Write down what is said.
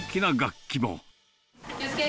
気をつけ。